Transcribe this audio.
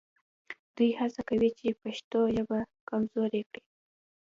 دوی هڅه کوي چې پښتو ژبه کمزورې کړي